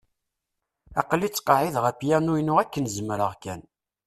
Aql-i ttqeεεideɣ apyanu-inu akken zemreɣ kan.